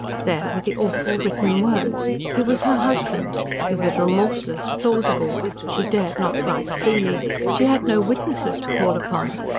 There were the awful, written words. He was her husband. He was remorseless, plausible. She dared not write freely. She had no witnesses to call upon.